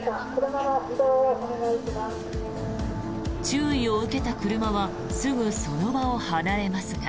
注意を受けた車はすぐその場を離れますが。